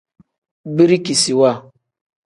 Birikisiwa.